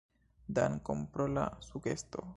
Dankon pro la sugesto.